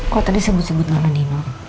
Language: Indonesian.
kok tadi sebut sebut nggak nanti